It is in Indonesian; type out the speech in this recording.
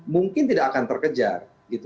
mungkin tidak akan terkejar